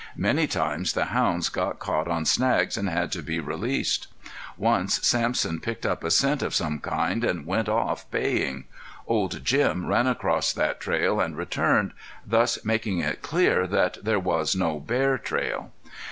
Many times the hounds got caught on snags, and had to be released. Once Sampson picked up a scent of some kind, and went off baying. Old Jim ran across that trail and returned, thus making it clear that there was no bear trail.